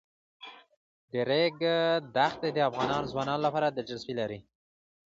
د ریګ دښتې د افغان ځوانانو لپاره دلچسپي لري.